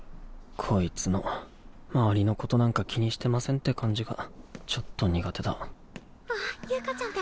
こいつの周りのことなんか気にしてませんって感じがあっユカちゃんだ。